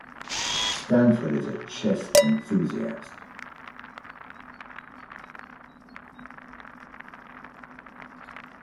Stanford is a chess enthusiast.